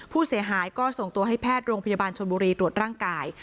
ผู้เสียหายก็ส่งตัวให้แพทย์โรงพยาบาลชนบุรีตรวจร่างกาย